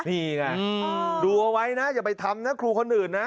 นี่ไงดูเอาไว้นะอย่าไปทำนะครูคนอื่นนะ